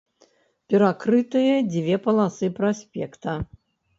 Перакрытыя дзве паласы праспекта.